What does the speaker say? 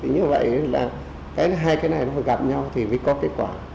như vậy là hai cái này gặp nhau thì mới có kết quả